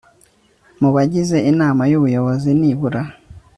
mu bagize inama y ubuyobozi nibura